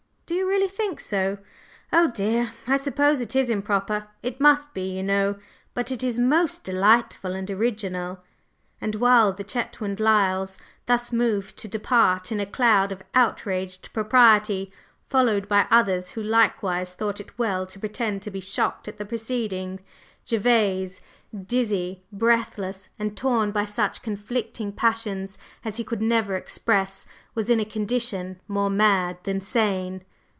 Do you really think so? Oh, dear! I suppose it is improper, it must be, you know; but it is most delightful and original!" And while the Chetwynd Lyles thus moved to depart in a cloud of outraged propriety, followed by others who likewise thought it well to pretend to be shocked at the proceedings, Gervase, dizzy, breathless, and torn by such conflicting passions as he could never express, was in a condition more mad than sane.